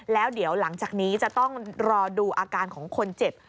แล้วเดี๋ยวหลังจากนี้จะต้องรอดูอาการของคนเจ็บ